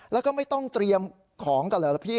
แล้วก็ไม่ต้องเตรียมของกันเหรอล่ะพี่